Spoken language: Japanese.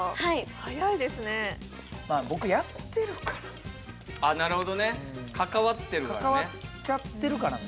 早いですねああなるほどね関わってるからね関わっちゃってるからね